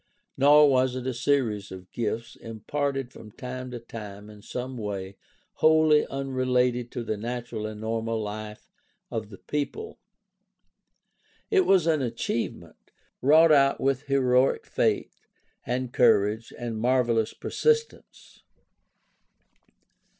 Nor was it a series of gifts, imparted from time to time in some way wholly unrelated to the natural and normal life of the people. It was an achieve ment, wrought out with heroic faith and courage and mar velous persistence.